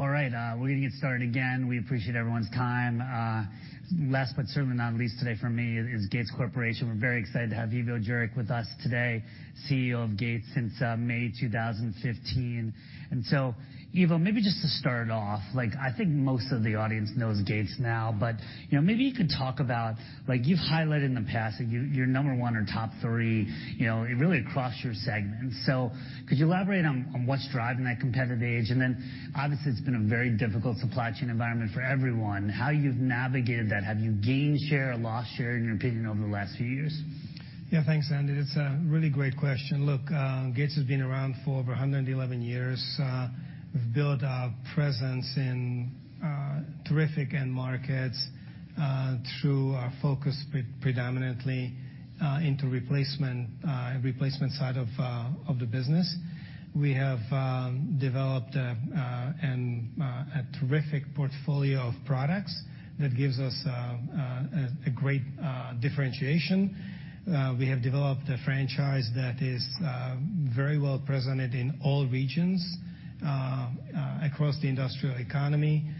All right. We're going to get started again. We appreciate everyone's time. Last but certainly not least today for me is Gates Corporation. We're very excited to have Ivo Jurek with us today, CEO of Gates since May 2015. Ivo, maybe just to start off, I think most of the audience knows Gates now, but maybe you could talk about you've highlighted in the past that you're number one or top three really across your segment. Could you elaborate on what's driving that competitive edge? Obviously, it's been a very difficult supply chain environment for everyone. How have you navigated that? Have you gained share or lost share, in your opinion, over the last few years? Yeah. Thanks, Andy. That's a really great question. Look, Gates has been around for over 111 years. We've built our presence in terrific end markets through our focus predominantly into replacement side of the business. We have developed a terrific portfolio of products that gives us a great differentiation. We have developed a franchise that is very well presented in all regions across the industrial economy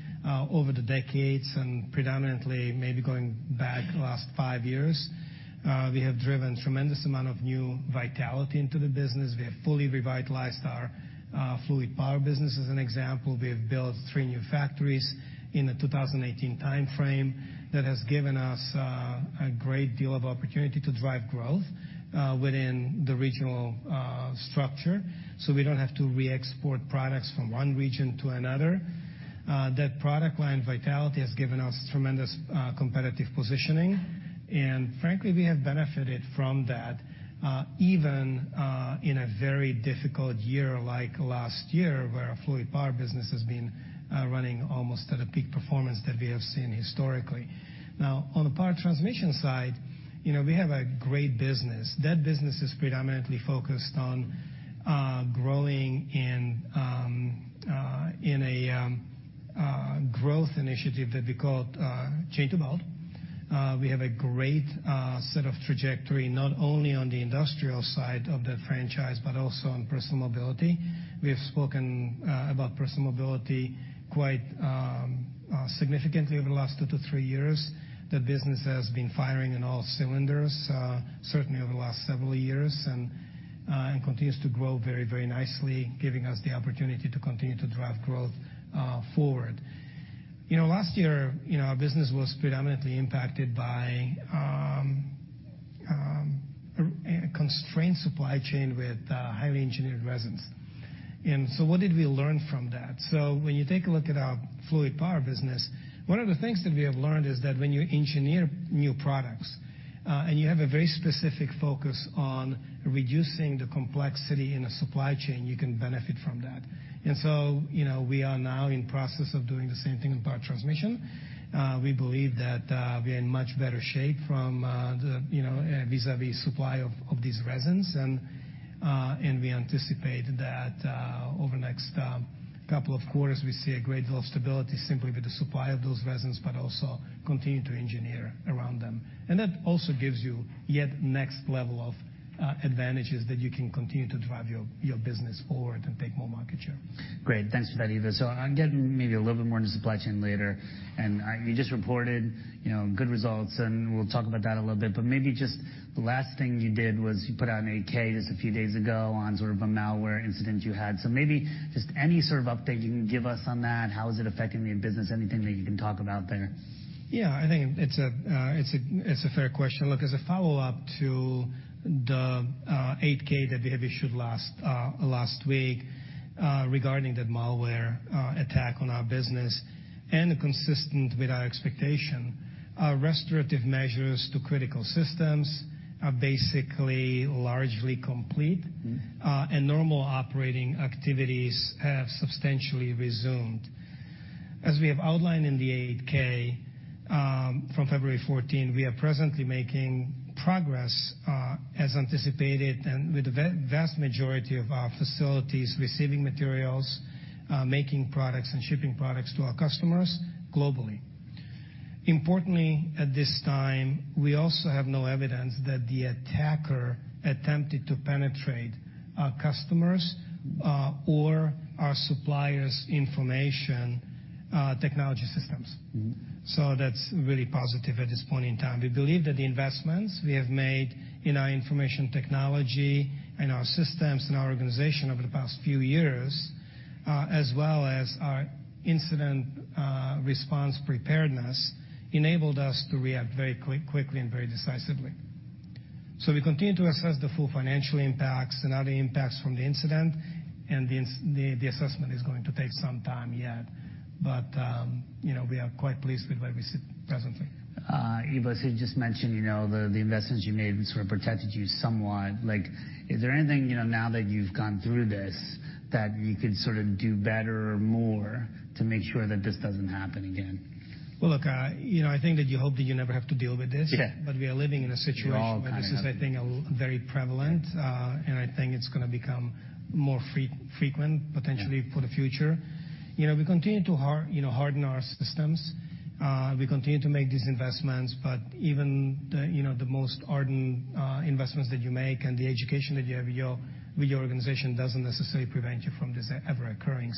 over the decades and predominantly maybe going back the last five years. We have driven a tremendous amount of new vitality into the business. We have fully revitalized our fluid power business. As an example, we have built three new factories in the 2018 timeframe that has given us a great deal of opportunity to drive growth within the regional structure so we don't have to re-export products from one region to another. That product line vitality has given us tremendous competitive positioning. Frankly, we have benefited from that even in a very difficult year like last year where our fluid power business has been running almost at a peak performance that we have seen historically. Now, on the power transmission side, we have a great business. That business is predominantly focused on growing in a growth initiative that we call Chain to Belt. We have a great set of trajectory not only on the industrial side of that franchise but also on personal mobility. We have spoken about personal mobility quite significantly over the last two to three years. The business has been firing in all cylinders, certainly over the last several years, and continues to grow very, very nicely, giving us the opportunity to continue to drive growth forward. Last year, our business was predominantly impacted by a constrained supply chain with highly engineered resins. What did we learn from that? When you take a look at our fluid power business, one of the things that we have learned is that when you engineer new products and you have a very specific focus on reducing the complexity in a supply chain, you can benefit from that. We are now in the process of doing the same thing in power transmission. We believe that we are in much better shape vis-à-vis supply of these resins. We anticipate that over the next couple of quarters, we see a great deal of stability simply with the supply of those resins but also continue to engineer around them. That also gives you yet next level of advantages that you can continue to drive your business forward and take more market share. Great. Thanks for that, Ivo. I'll get maybe a little bit more into supply chain later. You just reported good results, and we'll talk about that a little bit. Maybe just the last thing you did was you put out an 8K just a few days ago on sort of a malware incident you had. Maybe just any sort of update you can give us on that? How is it affecting the business? Anything that you can talk about there? Yeah. I think it's a fair question. Look, as a follow-up to the 8K that we had issued last week regarding that malware attack on our business and consistent with our expectation, restorative measures to critical systems are basically largely complete, and normal operating activities have substantially resumed. As we have outlined in the 8K from February 14, we are presently making progress as anticipated and with the vast majority of our facilities receiving materials, making products, and shipping products to our customers globally. Importantly, at this time, we also have no evidence that the attacker attempted to penetrate our customers' or our suppliers' information technology systems. That's really positive at this point in time. We believe that the investments we have made in our information technology and our systems and our organization over the past few years, as well as our incident response preparedness, enabled us to react very quickly and very decisively. We continue to assess the full financial impacts and other impacts from the incident. The assessment is going to take some time yet. We are quite pleased with where we sit presently. Ivo, you just mentioned the investments you made sort of protected you somewhat. Is there anything now that you've gone through this that you could sort of do better or more to make sure that this doesn't happen again? I think that you hope that you never have to deal with this. We are living in a situation where this is, I think, very prevalent. I think it's going to become more frequent, potentially, for the future. We continue to harden our systems. We continue to make these investments. Even the most ardent investments that you make and the education that you have with your organization does not necessarily prevent you from this ever occurring.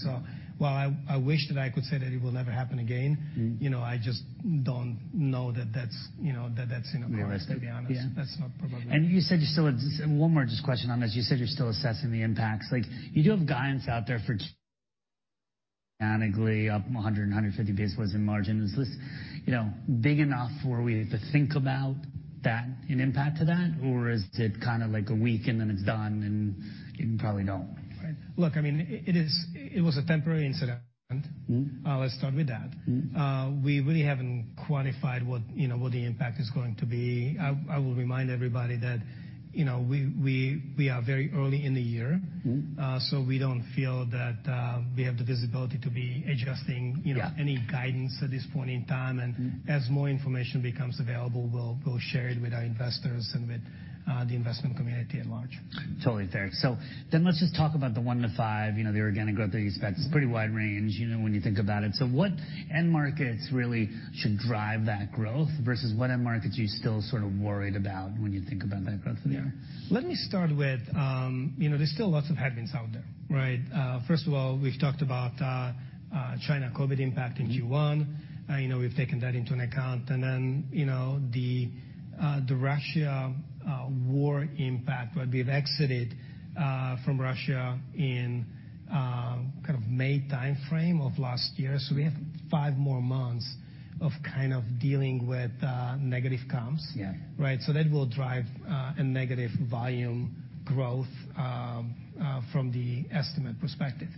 While I wish that I could say that it will never happen again, I just do not know that that is in a process, to be honest. That is not probably. You said you're still one more just question on this. You said you're still assessing the impacts. You do have guidance out there for mechanically up 100-150 basis points in margin. Is this big enough where we have to think about that and impact to that? Is it kind of like a week and then it's done, and you probably don't? Look, I mean, it was a temporary incident. Let's start with that. We really haven't quantified what the impact is going to be. I will remind everybody that we are very early in the year, so we don't feel that we have the visibility to be adjusting any guidance at this point in time. As more information becomes available, we'll share it with our investors and with the investment community at large. Totally fair. Let's just talk about the one to five, the organic growth that you expect. It's a pretty wide range when you think about it. What end markets really should drive that growth versus what end markets are you still sort of worried about when you think about that growth? Yeah. Let me start with there's still lots of headwinds out there, right? First of all, we've talked about China-COVID impact in Q1. We've taken that into account. Then the Russia war impact, right? We've exited from Russia in kind of May timeframe of last year. We have five more months of kind of dealing with negative comps, right? That will drive a negative volume growth from the estimate perspective.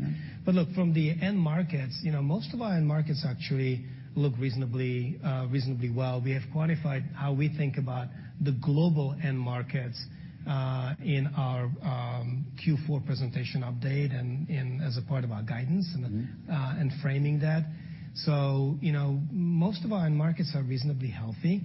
Look, from the end markets, most of our end markets actually look reasonably well. We have quantified how we think about the global end markets in our Q4 presentation update and as a part of our guidance and framing that. Most of our end markets are reasonably healthy.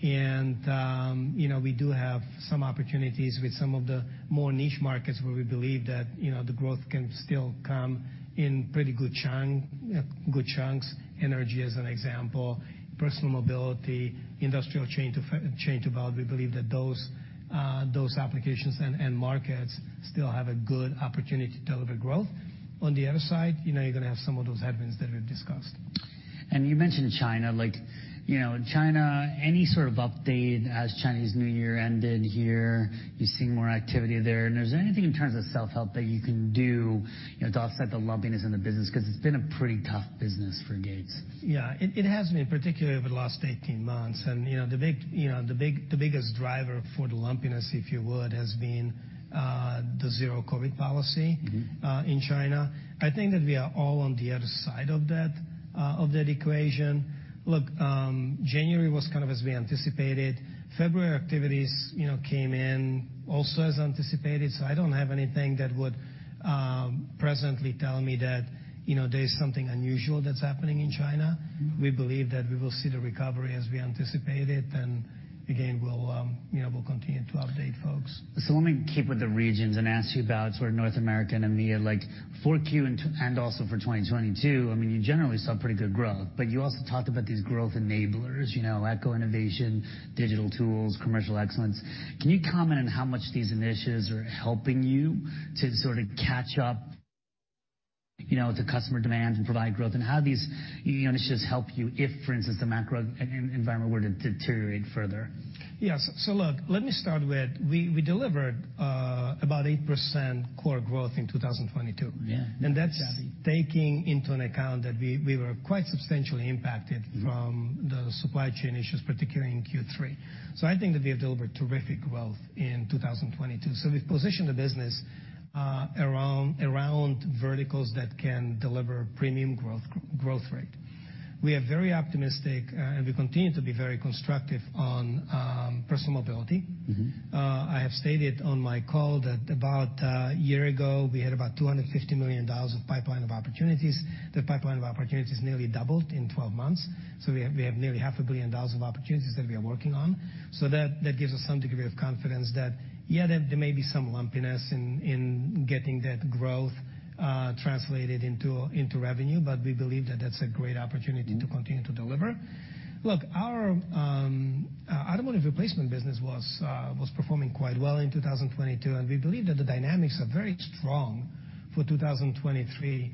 We do have some opportunities with some of the more niche markets where we believe that the growth can still come in pretty good chunks. Energy, as an example. Personal mobility, industrial chain to belt, we believe that those applications and markets still have a good opportunity to deliver growth. On the other side, you're going to have some of those headwinds that we've discussed. You mentioned China. Any sort of update as Chinese New Year ended here? You're seeing more activity there. Is there anything in terms of self-help that you can do to offset the lumpiness in the business? Because it's been a pretty tough business for Gates. Yeah. It has been, particularly over the last 18 months. The biggest driver for the lumpiness, if you would, has been the zero-COVID policy in China. I think that we are all on the other side of that equation. Look, January was kind of as we anticipated. February activities came in also as anticipated. I do not have anything that would presently tell me that there is something unusual that is happening in China. We believe that we will see the recovery as we anticipated. We will continue to update folks. Let me keep with the regions and ask you about sort of North America and EMEA. For Q and also for 2022, I mean, you generally saw pretty good growth. You also talked about these growth enablers: ECHO Innovation, digital tools, commercial excellence. Can you comment on how much these initiatives are helping you to sort of catch up to customer demand and provide growth? How do these initiatives help you if, for instance, the macro environment were to deteriorate further? Yeah. Look, let me start with we delivered about 8% core growth in 2022. That is taking into account that we were quite substantially impacted from the supply chain issues, particularly in Q3. I think that we have delivered terrific growth in 2022. We have positioned the business around verticals that can deliver premium growth rate. We are very optimistic, and we continue to be very constructive on personal mobility. I have stated on my call that about a year ago, we had about $250 million of pipeline of opportunities. That pipeline of opportunities nearly doubled in 12 months. We have nearly $500 million of opportunities that we are working on. That gives us some degree of confidence that, yeah, there may be some lumpiness in getting that growth translated into revenue. We believe that that is a great opportunity to continue to deliver. Look, our automotive replacement business was performing quite well in 2022. We believe that the dynamics are very strong for 2023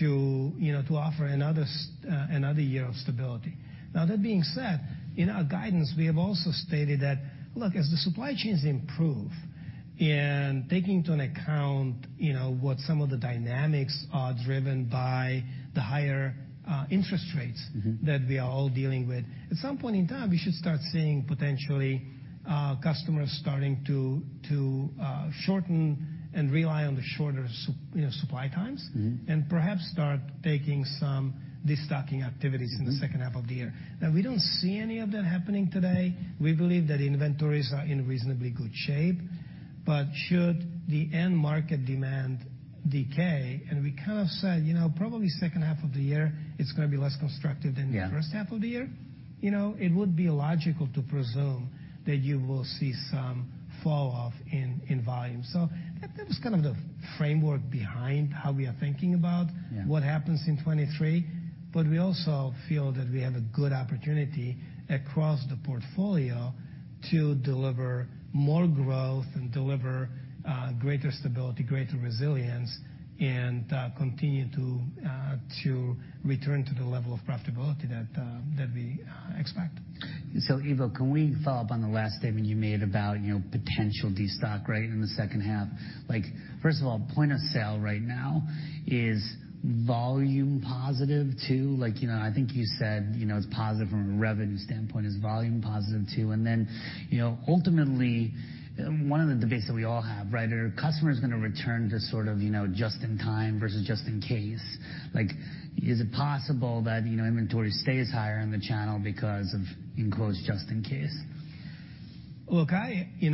to offer another year of stability. That being said, in our guidance, we have also stated that, look, as the supply chains improve and taking into account what some of the dynamics are driven by, the higher interest rates that we are all dealing with, at some point in time, we should start seeing potentially customers starting to shorten and rely on the shorter supply times and perhaps start taking some destocking activities in the second half of the year. We do not see any of that happening today. We believe that inventories are in reasonably good shape. Should the end market demand decay and we kind of said, "Probably second half of the year, it's going to be less constructive than the first half of the year," it would be logical to presume that you will see some falloff in volume. That was kind of the framework behind how we are thinking about what happens in 2023. We also feel that we have a good opportunity across the portfolio to deliver more growth and deliver greater stability, greater resilience, and continue to return to the level of profitability that we expect. Ivo, can we follow up on the last statement you made about potential destock, right, in the second half? First of all, point of sale right now is volume positive too. I think you said it's positive from a revenue standpoint. It's volume positive too. Ultimately, one of the debates that we all have, right, are customers going to return to sort of just in time versus just in case? Is it possible that inventory stays higher in the channel because of enclosed just in case? Look, I do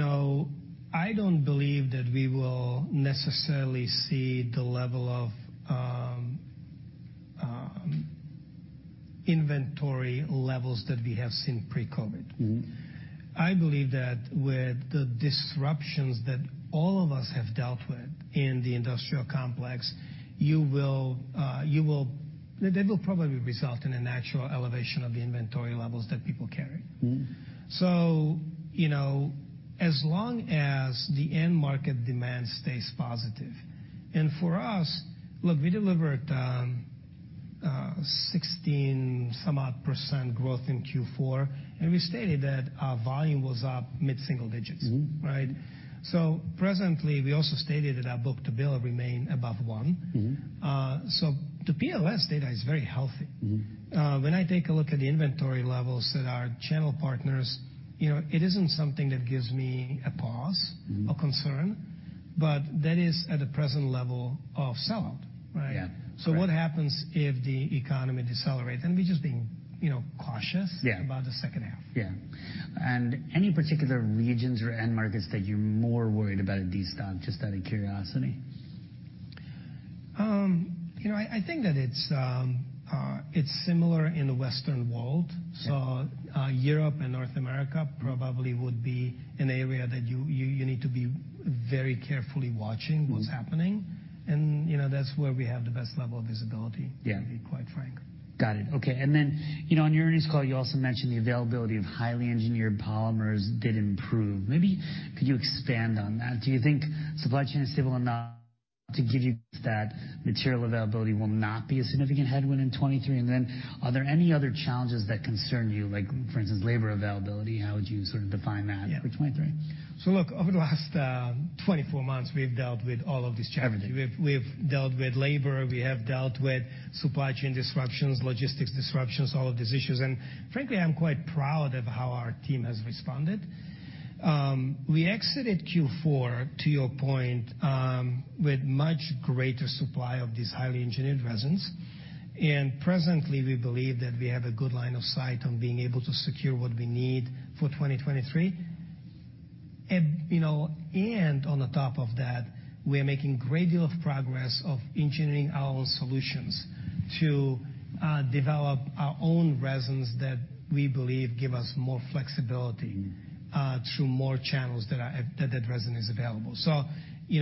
not believe that we will necessarily see the level of inventory levels that we have seen pre-COVID. I believe that with the disruptions that all of us have dealt with in the industrial complex, that will probably result in an actual elevation of the inventory levels that people carry. As long as the end market demand stays positive. For us, look, we delivered 16-some-odd % growth in Q4. We stated that our volume was up mid-single digits, right? Presently, we also stated that our book to bill remain above one. The PLS data is very healthy. When I take a look at the inventory levels at our channel partners, it is not something that gives me a pause or concern. That is at the present level of sellout, right? What happens if the economy decelerates? We're just being cautious about the second half. Yeah. Any particular regions or end markets that you're more worried about at destock, just out of curiosity? I think that it's similar in the Western world. Europe and North America probably would be an area that you need to be very carefully watching what's happening. That's where we have the best level of visibility, to be quite frank. Got it. Okay. On your earnings call, you also mentioned the availability of highly engineered polymers did improve. Maybe could you expand on that? Do you think supply chain is stable enough to give you that material availability will not be a significant headwind in 2023? Are there any other challenges that concern you, like for instance, labor availability? How would you sort of define that for 2023? Look, over the last 24 months, we've dealt with all of these challenges. We've dealt with labor. We have dealt with supply chain disruptions, logistics disruptions, all of these issues. Frankly, I'm quite proud of how our team has responded. We exited Q4, to your point, with much greater supply of these highly engineered resins. Presently, we believe that we have a good line of sight on being able to secure what we need for 2023. On top of that, we are making a great deal of progress of engineering our own solutions to develop our own resins that we believe give us more flexibility through more channels that that resin is available.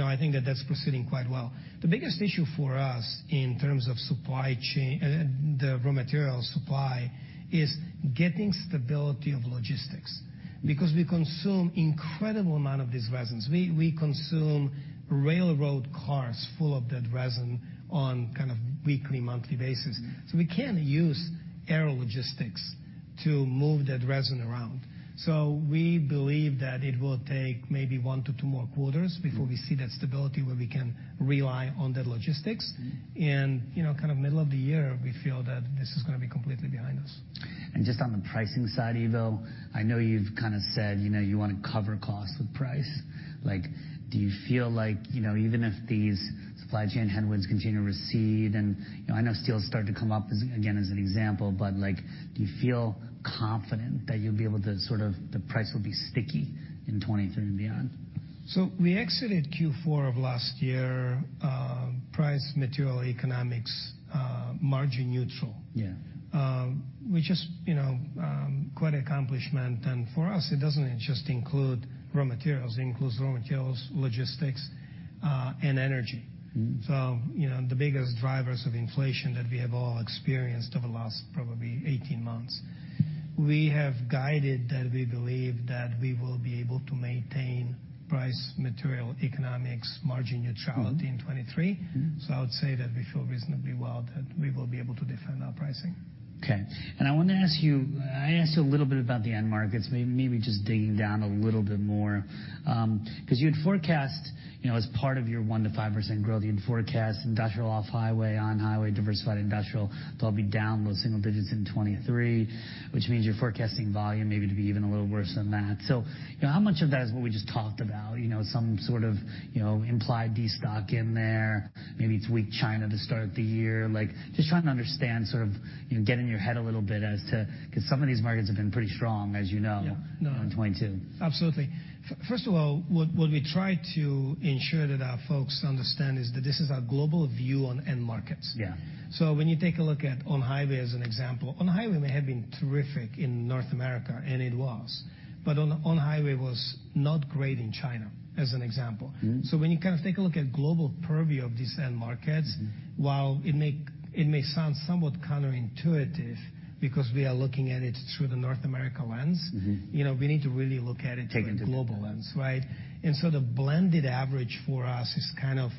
I think that that's proceeding quite well. The biggest issue for us in terms of supply chain, the raw material supply, is getting stability of logistics. Because we consume an incredible amount of these resins. We consume railroad cars full of that resin on kind of weekly, monthly basis. We can't use aero logistics to move that resin around. We believe that it will take maybe one to two more quarters before we see that stability where we can rely on that logistics. Kind of middle of the year, we feel that this is going to be completely behind us. Just on the pricing side, Ivo, I know you've kind of said you want to cover costs with price. Do you feel like even if these supply chain headwinds continue to recede? I know steel started to come up again as an example. Do you feel confident that you'll be able to sort of the price will be sticky in 2023 and beyond? We exited Q4 of last year, price, material, economics, margin neutral. Which is quite an accomplishment. For us, it does not just include raw materials. It includes raw materials, logistics, and energy. The biggest drivers of inflation that we have all experienced over the last probably 18 months. We have guided that we believe that we will be able to maintain price, material, economics, margin neutrality in 2023. I would say that we feel reasonably well that we will be able to defend our pricing. Okay. I wanted to ask you, I asked you a little bit about the end markets, maybe just digging down a little bit more. Because you had forecast as part of your 1%-5% growth, you had forecast industrial off-highway, on-highway, diversified industrial, probably down low single digits in 2023, which means you're forecasting volume maybe to be even a little worse than that. How much of that is what we just talked about? Some sort of implied destock in there, maybe it's weak China to start the year. Just trying to understand, sort of get in your head a little bit as to because some of these markets have been pretty strong, as you know, in 2022. Absolutely. First of all, what we try to ensure that our folks understand is that this is our global view on end markets. When you take a look at on-highway as an example, on-highway may have been terrific in North America, and it was. On-highway was not great in China, as an example. When you kind of take a look at global purview of these end markets, while it may sound somewhat counterintuitive because we are looking at it through the North America lens, we need to really look at it through a global lens, right? The blended average for us is kind of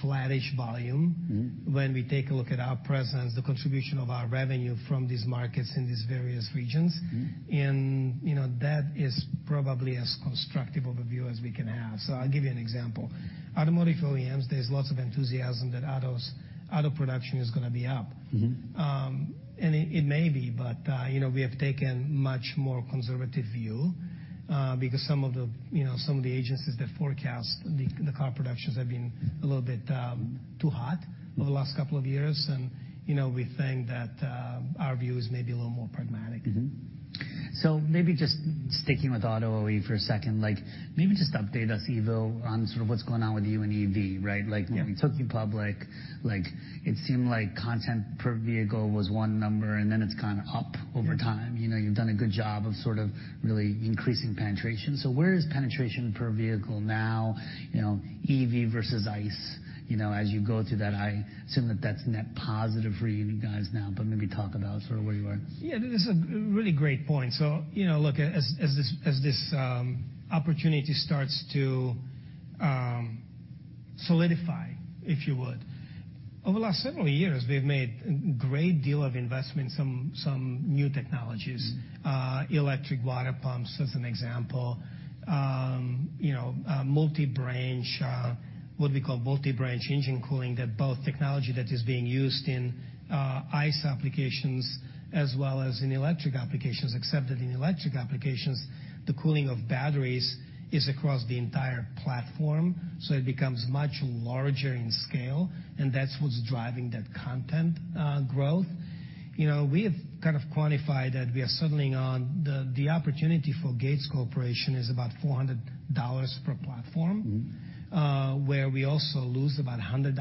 flattish volume when we take a look at our presence, the contribution of our revenue from these markets in these various regions. That is probably as constructive of a view as we can have. I'll give you an example. Automotive OEMs, there's lots of enthusiasm that auto production is going to be up. It may be. We have taken a much more conservative view because some of the agencies that forecast the car productions have been a little bit too hot over the last couple of years. We think that our view is maybe a little more pragmatic. Maybe just sticking with auto OE for a second, maybe just update us, Ivo, on sort of what's going on with you and EV, right? When we took you public, it seemed like content per vehicle was one number. And then it's kind of up over time. You've done a good job of sort of really increasing penetration. Where is penetration per vehicle now? EV versus ICE, as you go through that, I assume that that's net positive for you guys now. Maybe talk about sort of where you are. Yeah. That is a really great point. Look, as this opportunity starts to solidify, if you would, over the last several years, we've made a great deal of investment in some new technologies, electric water pumps as an example, what we call multi-branch engine cooling, both technology that is being used in ICE applications as well as in electric applications, except that in electric applications, the cooling of batteries is across the entire platform. It becomes much larger in scale. That's what's driving that content growth. We have kind of quantified that we are settling on the opportunity for Gates Corporation is about $400 per platform, where we also lose about $100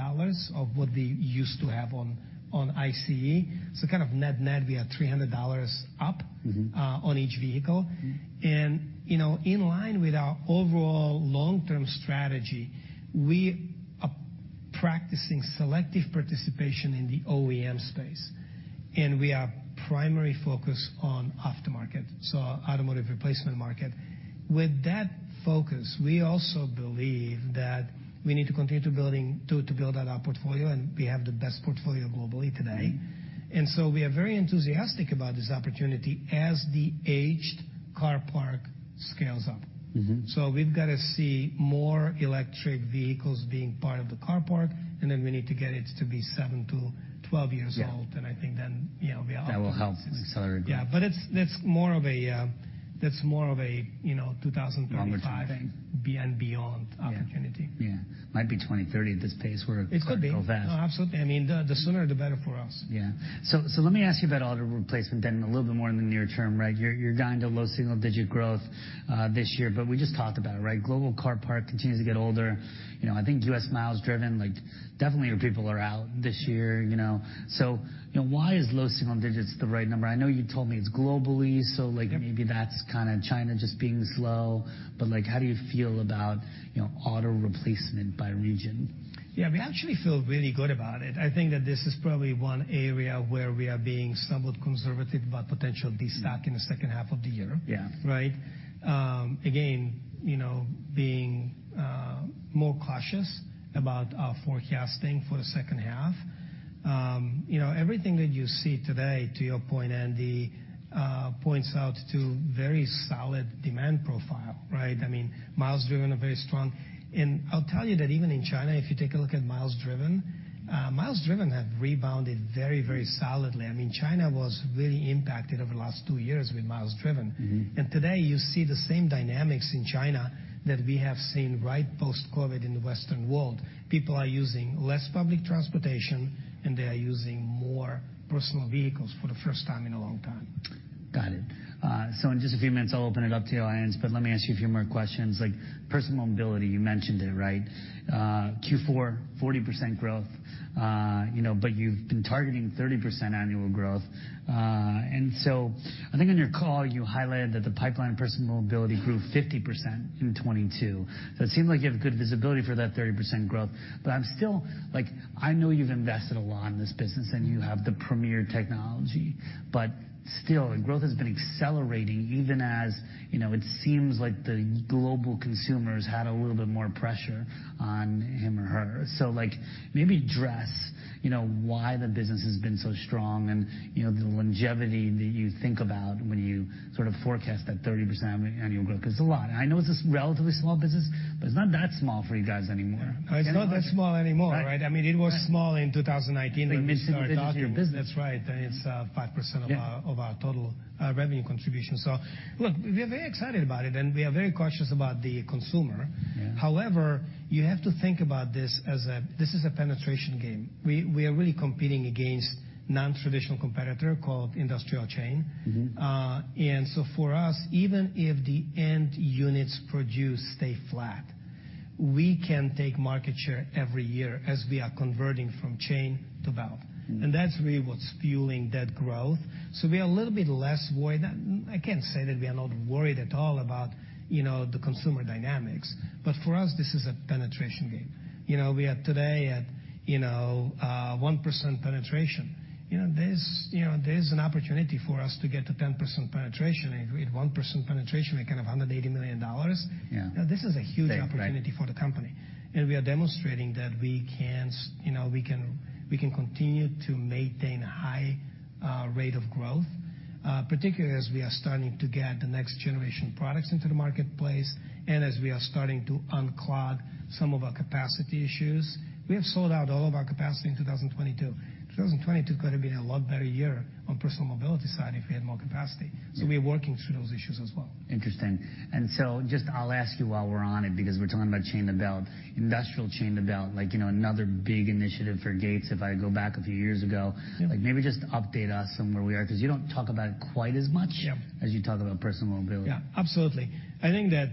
of what we used to have on ICE. Kind of net net, we are $300 up on each vehicle. In line with our overall long-term strategy, we are practicing selective participation in the OEM space. We are primarily focused on aftermarket, so automotive replacement market. With that focus, we also believe that we need to continue to build out our portfolio. We have the best portfolio globally today. We are very enthusiastic about this opportunity as the aged car park scales up. We have got to see more electric vehicles being part of the car park. We need to get it to be 7-12 years old. I think we are optimistic. That will help accelerate growth. Yeah. That is more of a 2035 and beyond opportunity. Yeah. Might be 2030 at this pace where it's going to go fast. It could be. No, absolutely. I mean, the sooner, the better for us. Yeah. Let me ask you about auto replacement then a little bit more in the near term, right? You are going to low single digit growth this year. We just talked about it, right? Global car park continues to get older. I think US miles driven, definitely your people are out this year. Why is low single digits the right number? I know you told me it is globally. Maybe that is kind of China just being slow. How do you feel about auto replacement by region? Yeah. We actually feel really good about it. I think that this is probably one area where we are being somewhat conservative about potential destock in the second half of the year, right? Again, being more cautious about our forecasting for the second half. Everything that you see today, to your point, Andy, points out to very solid demand profile, right? I mean, miles driven are very strong. I'll tell you that even in China, if you take a look at miles driven, miles driven have rebounded very, very solidly. I mean, China was really impacted over the last two years with miles driven. Today, you see the same dynamics in China that we have seen right post-COVID in the Western world. People are using less public transportation. They are using more personal vehicles for the first time in a long time. Got it. In just a few minutes, I'll open it up to you, Ians. Let me ask you a few more questions. Personal mobility, you mentioned it, right? Q4, 40% growth. You've been targeting 30% annual growth. I think on your call, you highlighted that the pipeline of personal mobility grew 50% in 2022. It seemed like you have good visibility for that 30% growth. I'm still, I know you've invested a lot in this business. You have the premier technology. Still, the growth has been accelerating even as it seems like the global consumers had a little bit more pressure on him or her. Maybe address why the business has been so strong and the longevity that you think about when you sort of forecast that 30% annual growth. Because it's a lot. I know it's a relatively small business. It is not that small for you guys anymore. It's not that small anymore, right? I mean, it was small in 2019 when we started off. It is a majority of your business. That's right. And it's 5% of our total revenue contribution. Look, we are very excited about it. We are very cautious about the consumer. However, you have to think about this as a penetration game. We are really competing against a non-traditional competitor called industrial chain. For us, even if the end units produced stay flat, we can take market share every year as we are converting from chain to belt. That's really what's fueling that growth. We are a little bit less worried. I can't say that we are not worried at all about the consumer dynamics. For us, this is a penetration game. We are today at 1% penetration. There is an opportunity for us to get to 10% penetration. With 1% penetration, we can have $180 million. This is a huge opportunity for the company. We are demonstrating that we can continue to maintain a high rate of growth, particularly as we are starting to get the next generation products into the marketplace and as we are starting to unclog some of our capacity issues. We have sold out all of our capacity in 2022. 2022 could have been a lot better year on personal mobility side if we had more capacity. We are working through those issues as well. Interesting. Just I'll ask you while we're on it because we're talking about chain to belt, industrial chain to belt, another big initiative for Gates. If I go back a few years ago. Maybe just update us on where we are because you don't talk about it quite as much as you talk about personal mobility. Yeah. Absolutely. I think that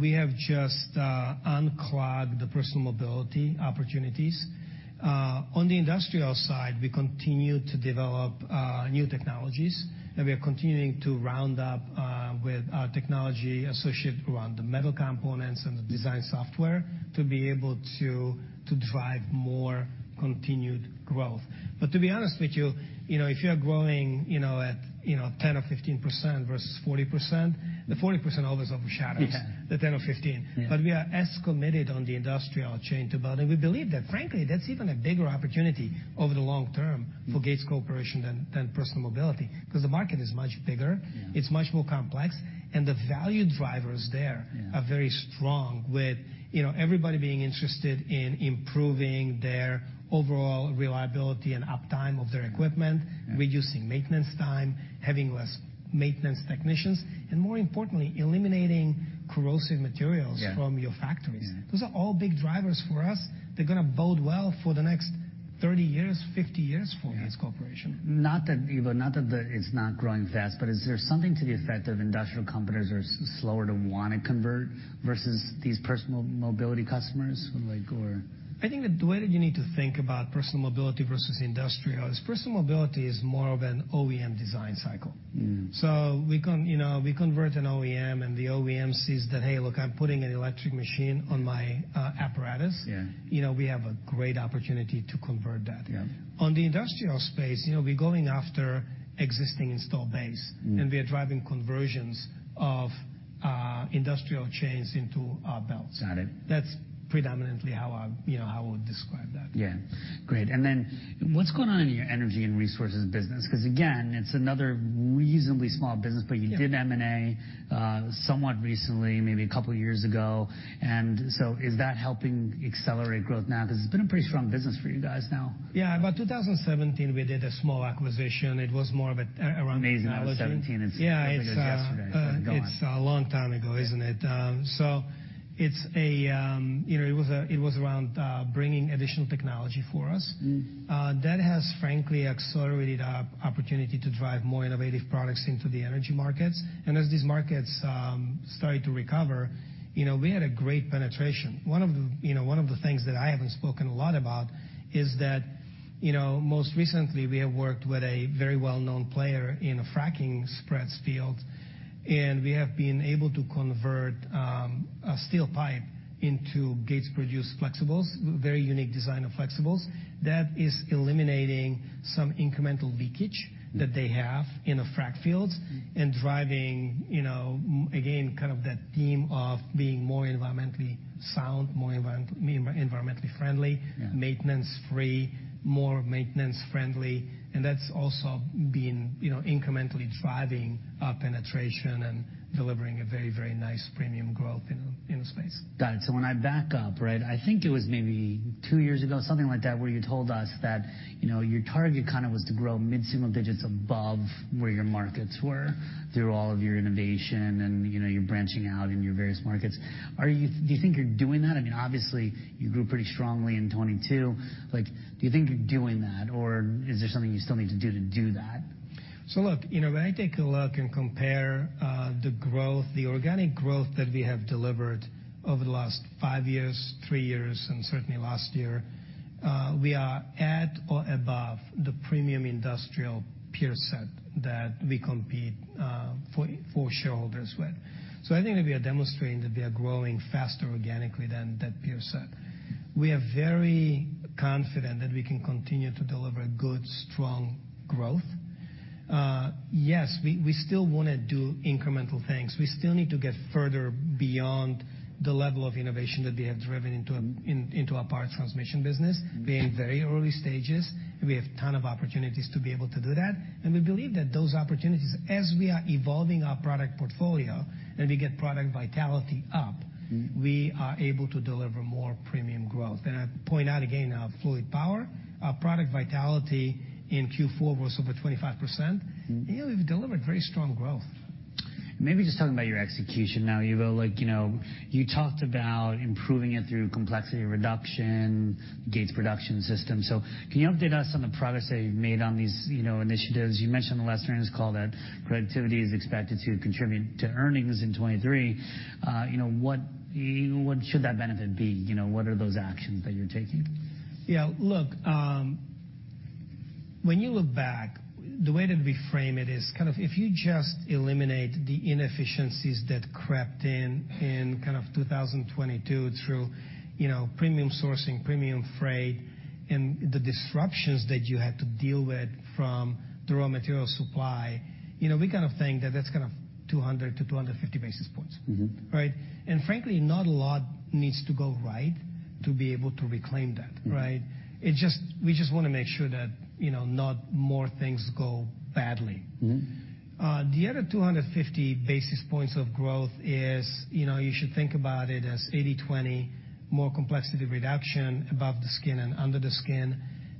we have just unclogged the personal mobility opportunities. On the industrial side, we continue to develop new technologies. We are continuing to round up with our technology associated around the metal components and the design software to be able to drive more continued growth. To be honest with you, if you are growing at 10% or 15% versus 40%, the 40% always overshadows the 10% or 15%. We are as committed on the industrial chain to building. We believe that, frankly, that is even a bigger opportunity over the long term for Gates Corporation than personal mobility. The market is much bigger. It is much more complex. The value drivers there are very strong with everybody being interested in improving their overall reliability and uptime of their equipment, reducing maintenance time, having less maintenance technicians, and more importantly, eliminating corrosive materials from your factories. Those are all big drivers for us. They're going to bode well for the next 30 years, 50 years for Gates Corporation. Ivo, not that it's not growing fast. Is there something to the effect of industrial companies are slower to want to convert versus these personal mobility customers? I think the way that you need to think about personal mobility versus industrial is personal mobility is more of an OEM design cycle. We convert an OEM. The OEM sees that, "Hey, look, I'm putting an electric machine on my apparatus." We have a great opportunity to convert that. In the industrial space, we're going after existing installed base. We are driving conversions of industrial chains into our belts. That is predominantly how I would describe that. Yeah. Great. What is going on in your energy and resources business? Because again, it is another reasonably small business. You did M&A somewhat recently, maybe a couple of years ago. Is that helping accelerate growth now? It has been a pretty strong business for you guys now. Yeah. About 2017, we did a small acquisition. It was more of an. Amazing. I was 17. It's like it was yesterday. Yeah. It's a long time ago, isn't it? It was around bringing additional technology for us. That has, frankly, accelerated our opportunity to drive more innovative products into the energy markets. As these markets started to recover, we had a great penetration. One of the things that I haven't spoken a lot about is that most recently, we have worked with a very well-known player in a fracking spreads field. We have been able to convert a steel pipe into Gates-produced flexibles, a very unique design of flexibles that is eliminating some incremental leakage that they have in the frack fields and driving, again, kind of that theme of being more environmentally sound, more environmentally friendly, maintenance-free, more maintenance-friendly. That's also been incrementally driving our penetration and delivering a very, very nice premium growth in the space. Got it. When I back up, right, I think it was maybe two years ago, something like that, where you told us that your target kind of was to grow mid-single digits above where your markets were through all of your innovation and your branching out in your various markets. Do you think you're doing that? I mean, obviously, you grew pretty strongly in 2022. Do you think you're doing that? Or is there something you still need to do to do that? Look, when I take a look and compare the organic growth that we have delivered over the last five years, three years, and certainly last year, we are at or above the premium industrial peer set that we compete for shareholders with. I think that we are demonstrating that we are growing faster organically than that peer set. We are very confident that we can continue to deliver good, strong growth. Yes, we still want to do incremental things. We still need to get further beyond the level of innovation that we have driven into our power transmission business. We're in very early stages. We have a ton of opportunities to be able to do that. We believe that those opportunities, as we are evolving our product portfolio and we get product vitality up, we are able to deliver more premium growth. I point out again our fluid power. Our product vitality in Q4 was over 25%. We've delivered very strong growth. Maybe just talking about your execution now, Ivo, you talked about improving it through complexity reduction, Gates production system. Can you update us on the progress that you've made on these initiatives? You mentioned on the last trans call that productivity is expected to contribute to earnings in 2023. What should that benefit be? What are those actions that you're taking? Yeah. Look, when you look back, the way that we frame it is kind of if you just eliminate the inefficiencies that crept in kind of 2022 through premium sourcing, premium freight, and the disruptions that you had to deal with from the raw material supply, we kind of think that that's kind of 200-250 basis points, right? And frankly, not a lot needs to go right to be able to reclaim that, right? We just want to make sure that not more things go badly. The other 250 basis points of growth is you should think about it as 80/20, more complexity reduction above the skin and under the skin,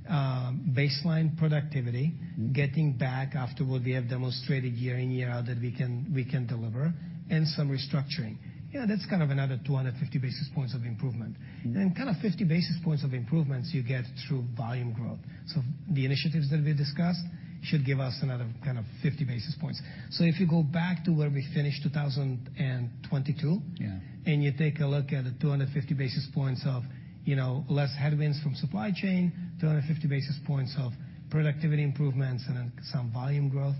baseline productivity, getting back after what we have demonstrated year in, year out that we can deliver, and some restructuring. That's kind of another 250 basis points of improvement. Kind of 50 basis points of improvements you get through volume growth. The initiatives that we discussed should give us another kind of 50 basis points. If you go back to where we finished 2022 and you take a look at the 250 basis points of less headwinds from supply chain, 250 basis points of productivity improvements, and then some volume growth,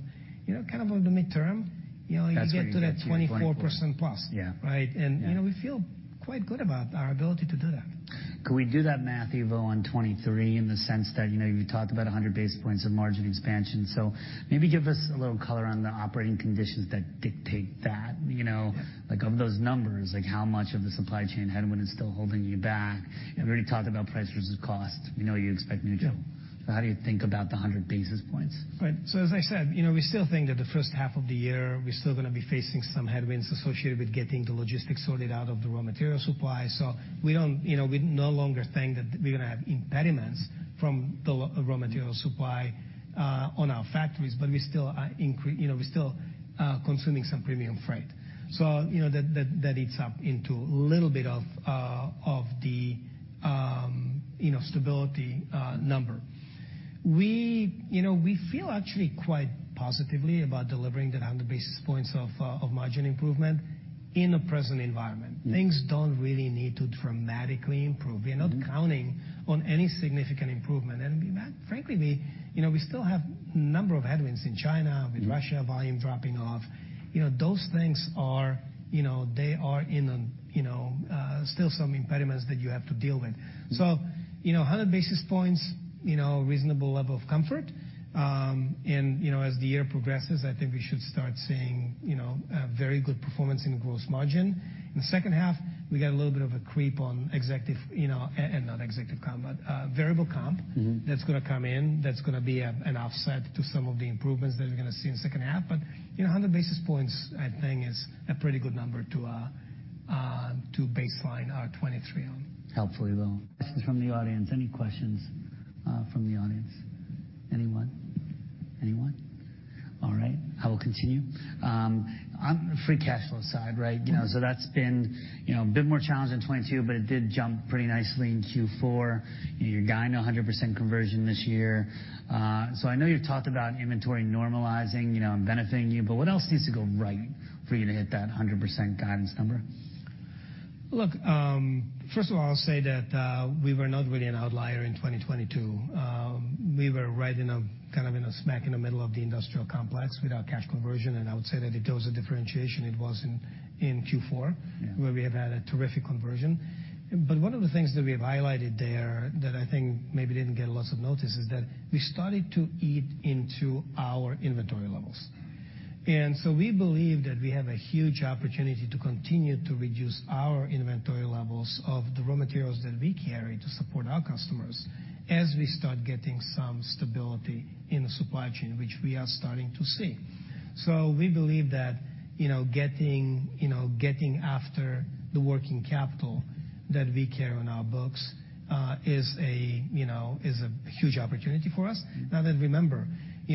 kind of over the midterm, you get to that 24% plus, right? We feel quite good about our ability to do that. Could we do that math, Ivo, on 2023 in the sense that you talked about 100 basis points of margin expansion? Maybe give us a little color on the operating conditions that dictate that. Of those numbers, how much of the supply chain headwind is still holding you back? We already talked about price versus cost. We know you expect neutral. How do you think about the 100 basis points? Right. As I said, we still think that the first half of the year, we're still going to be facing some headwinds associated with getting the logistics sorted out of the raw material supply. We no longer think that we're going to have impediments from the raw material supply on our factories. We still are consuming some premium freight. That eats up into a little bit of the stability number. We feel actually quite positively about delivering that 100 basis points of margin improvement in the present environment. Things do not really need to dramatically improve. We are not counting on any significant improvement. Frankly, we still have a number of headwinds in China with Russia volume dropping off. Those things, they are still some impediments that you have to deal with. 100 basis points, reasonable level of comfort. As the year progresses, I think we should start seeing very good performance in gross margin. In the second half, we got a little bit of a creep on executive and not executive comp, but variable comp that's going to come in. That is going to be an offset to some of the improvements that we're going to see in the second half. 100 basis points, I think, is a pretty good number to baseline our 2023 on. Helpful, Ivo. Questions from the audience? Any questions from the audience? Anyone? Anyone? All right. I will continue. On the free cash flow side, right? That has been a bit more challenging in 2022. It did jump pretty nicely in Q4. You are guiding 100% conversion this year. I know you have talked about inventory normalizing and benefiting you. What else needs to go right for you to hit that 100% guidance number? Look, first of all, I'll say that we were not really an outlier in 2022. We were right kind of smack in the middle of the industrial complex with our cash conversion. I would say that it was a differentiation. It was in Q4 where we have had a terrific conversion. One of the things that we have highlighted there that I think maybe did not get lots of notice is that we started to eat into our inventory levels. We believe that we have a huge opportunity to continue to reduce our inventory levels of the raw materials that we carry to support our customers as we start getting some stability in the supply chain, which we are starting to see. We believe that getting after the working capital that we carry on our books is a huge opportunity for us. Now, then remember,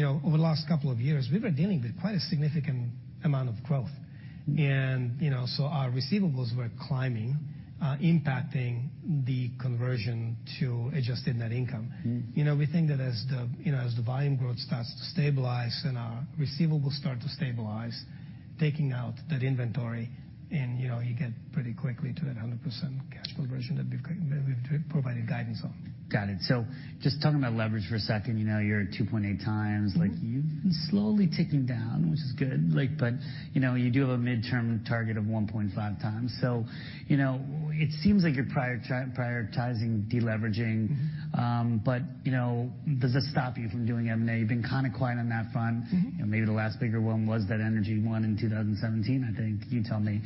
over the last couple of years, we were dealing with quite a significant amount of growth. Our receivables were climbing, impacting the conversion to adjusted net income. We think that as the volume growth starts to stabilize and our receivables start to stabilize, taking out that inventory, you get pretty quickly to that 100% cash conversion that we've provided guidance on. Got it. Just talking about leverage for a second, you're at 2.8x. You've been slowly ticking down, which is good. You do have a midterm target of 1.5x. It seems like you're prioritizing deleveraging. Does that stop you from doing M&A? You've been kind of quiet on that front. Maybe the last bigger one was that energy one in 2017, I think. You tell me.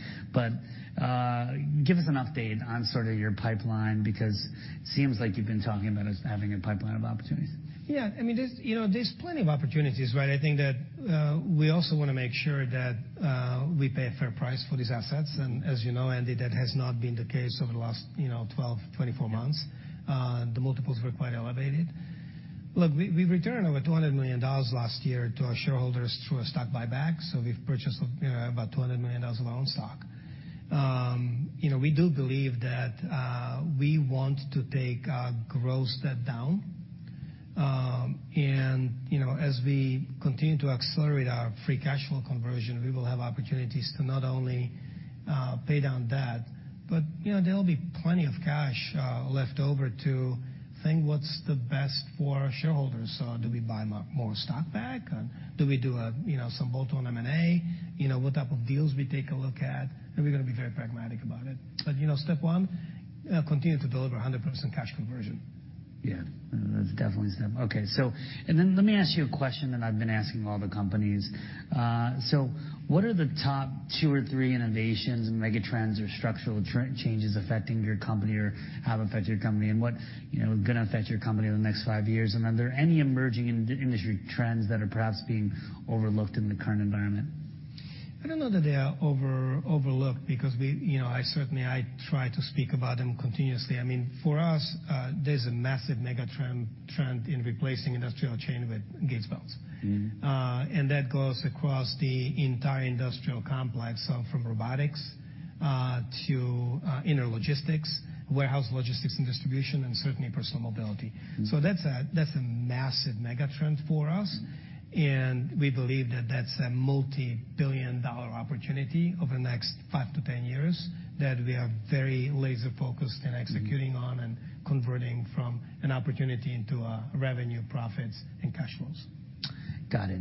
Give us an update on sort of your pipeline because it seems like you've been talking about us having a pipeline of opportunities. Yeah. I mean, there's plenty of opportunities, right? I think that we also want to make sure that we pay a fair price for these assets. As you know, Andy, that has not been the case over the last 12-24 months. The multiples were quite elevated. Look, we returned over $200 million last year to our shareholders through a stock buyback. We purchased about $200 million of our own stock. We do believe that we want to take our growth step down. As we continue to accelerate our free cash flow conversion, we will have opportunities to not only pay down debt, but there will be plenty of cash left over to think what's the best for our shareholders. Do we buy more stock back? Do we do some bolt-on M&A? What type of deals do we take a look at? We're going to be very pragmatic about it. Step one, continue to deliver 100% cash conversion. Yeah. That's definitely step. Okay. Let me ask you a question that I've been asking all the companies. What are the top two or three innovations, mega trends, or structural changes affecting your company or have affected your company? What's going to affect your company in the next five years? Are there any emerging industry trends that are perhaps being overlooked in the current environment? I don't know that they are overlooked because I certainly try to speak about them continuously. I mean, for us, there's a massive mega trend in replacing industrial chain with Gates belts. That goes across the entire industrial complex, from robotics to inner logistics, warehouse logistics and distribution, and certainly personal mobility. That's a massive mega trend for us. We believe that that's a multi-billion dollar opportunity over the next 5 to 10 years that we are very laser-focused in executing on and converting from an opportunity into revenue, profits, and cash flows. Got it.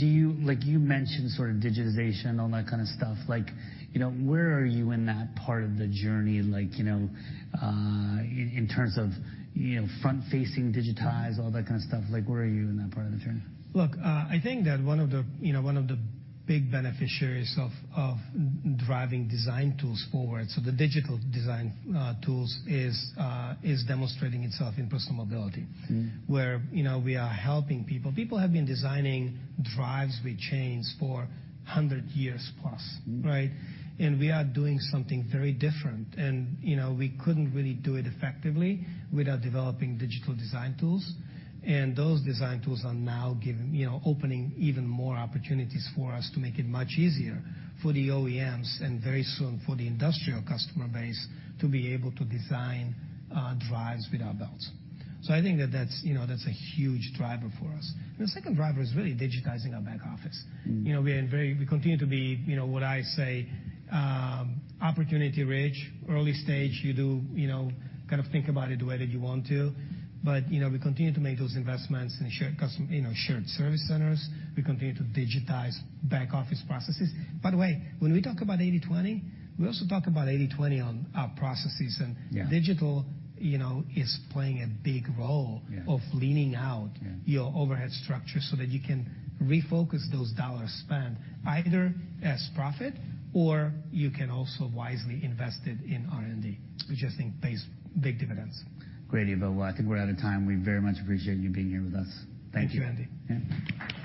You mentioned sort of digitization, all that kind of stuff. Where are you in that part of the journey in terms of front-facing digitize, all that kind of stuff? Where are you in that part of the journey? Look, I think that one of the big beneficiaries of driving design tools forward, so the digital design tools, is demonstrating itself in personal mobility where we are helping people. People have been designing drives with chains for 100 years plus, right? We are doing something very different. We could not really do it effectively without developing digital design tools. Those design tools are now opening even more opportunities for us to make it much easier for the OEMs and very soon for the industrial customer base to be able to design drives with our belts. I think that that is a huge driver for us. The second driver is really digitizing our back office. We continue to be, what I say, opportunity-rich, early stage. You do kind of think about it the way that you want to. We continue to make those investments in shared service centers. We continue to digitize back office processes. By the way, when we talk about 80/20, we also talk about 80/20 on our processes. Digital is playing a big role of leaning out your overhead structure so that you can refocus those dollars spent either as profit or you can also wisely invest it in R&D, which I think pays big dividends. Great, Ivo. I think we're out of time. We very much appreciate you being here with us. Thank you. Thank you, Andy. Yeah.